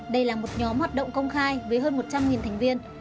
đây là một nhóm hoạt động công khai với hơn một trăm linh thành viên